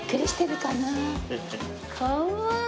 かわいい！